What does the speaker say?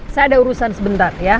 saya ada urusan sebentar ya